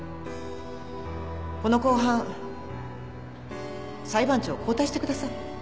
この公判裁判長を交代してください。